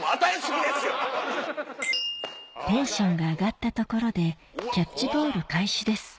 テンションが上がったところでキャッチボール開始です